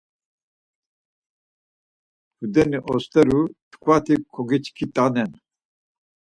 Tudeni osteru tkvati kogiçkit̆anen.